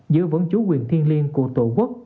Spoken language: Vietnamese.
giữ vững chú quyền thiên liên của tổ quốc